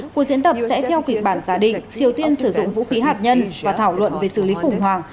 cuộc diễn tập sẽ theo kịch bản giả định triều tiên sử dụng vũ khí hạt nhân và thảo luận về xử lý khủng hoảng